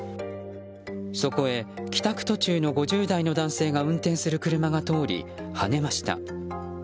そこへ、帰宅途中の５０代の男性が運転する車が通りはねました。